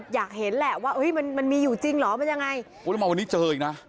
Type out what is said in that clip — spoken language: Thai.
อยากเห็นแหละว่ามันอยู่จริงหรอ